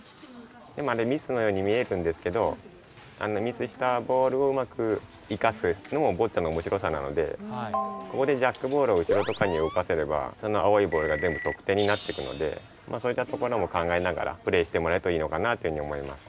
今ねミスのように見えるんですけどミスしたボールをうまく生かすのもボッチャのおもしろさなのでここでジャックボールを後ろとかに動かせればその青いボールが全部得点になっていくのでそういったところも考えながらプレーしてもらえるといいのかなというふうに思います。